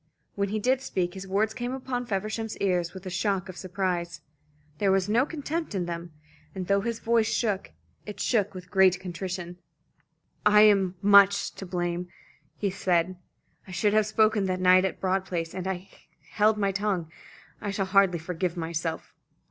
When he did speak, his words came upon Feversham's ears with a shock of surprise. There was no contempt in them, and though his voice shook, it shook with a great contrition. "I am much to blame," he said. "I should have spoken that night at Broad Place, and I held my tongue. I shall hardly forgive myself."